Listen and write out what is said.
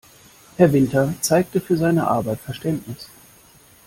Herr Winter zeigte für seine Arbeit Verständnis.